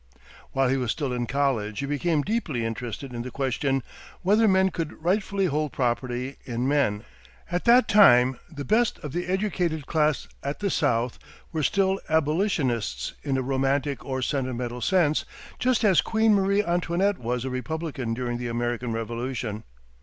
While he was still in college he became deeply interested in the question, whether men could rightfully hold property in men. At that time the best of the educated class at the South were still abolitionists in a romantic or sentimental sense, just as Queen Marie Antoinette was a republican during the American Revolution.